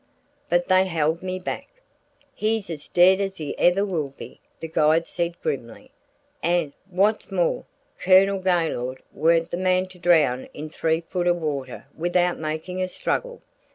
But they held me back. "He's as dead as he ever will be," the guide said grimly. "An' what's more, Colonel Gaylord warn't the man to drown in three foot o' water without making a struggle.